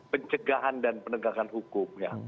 pencegahan dan penegakan hukum